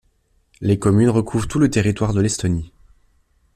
Les communes recouvrent tout le territoire de l’Estonie.